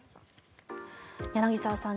柳澤さん